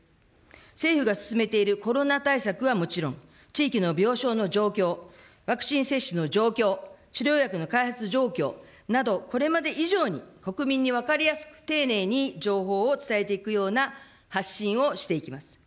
政府が進めているコロナ対策はもちろん、地域の病床の状況、ワクチン接種の状況、治療薬の開発状況など、これまで以上に国民に分かりやすく、丁寧に情報を伝えていくような発信をしていきます。